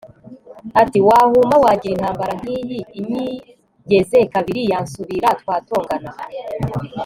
ati wahuma wagira, intambara nk'iyi inyigeze kabiri yansubira twatongana